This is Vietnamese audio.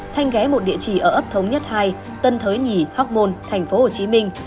thanh ghé một địa chỉ ở ấp thống nhất hai tân thới nhì hóc môn thành phố hồ chí minh